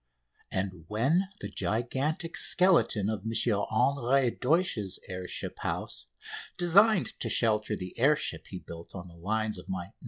And when the gigantic skeleton of M. Henry Deutsch's air ship house, designed to shelter the air ship he built on the lines of my "No.